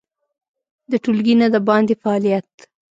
د ټولګي نه د باندې فعالیت